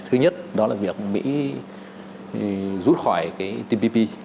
thứ nhất đó là việc mỹ rút khỏi cái tpp